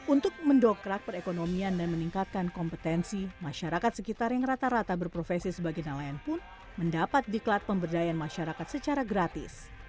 untuk mendokrak perekonomian dan meningkatkan kompetensi masyarakat sekitar yang rata rata berprofesi sebagai nelayan pun mendapat diklat pemberdayaan masyarakat secara gratis